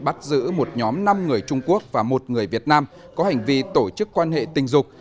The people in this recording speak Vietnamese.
bắt giữ một nhóm năm người trung quốc và một người việt nam có hành vi tổ chức quan hệ tình dục